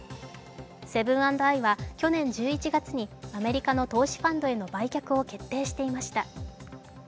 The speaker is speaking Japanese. セブン＆アイは去年１１月にアメリカの投資ファンドへの売却を決定していました。